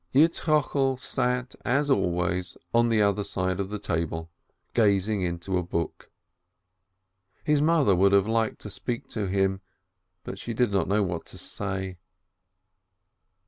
Yitzchokel sat as always on the other side of the table, gazing into a book. The mother would have liked to speak to 'him, but she did not know what to say.